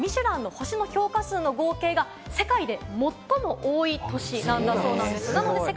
実は東京はミシュランの星の評価数の合計が世界で最も多い年なんだそうです。